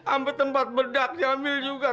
ampe tempat bedak diambil juga